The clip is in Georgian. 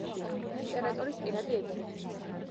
იმპერატორის პირადი ექიმი.